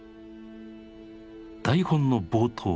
台本の冒頭